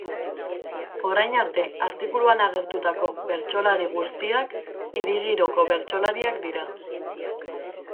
Orain arte artikuluan agertutako bertsolari guztiak hiri giroko bertsolariak dira.